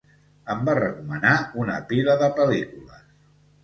Em va recomanar una pila de pel·lícules